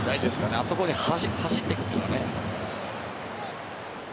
あそこに走っていくというのがね。